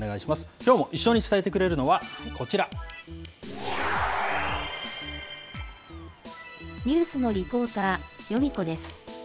きょうも一緒に伝えてくれるのは、ニュースのリポーター、ヨミ子です。